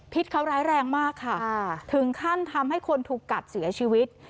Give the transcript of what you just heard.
เขาร้ายแรงมากค่ะถึงขั้นทำให้คนถูกกัดเสียชีวิต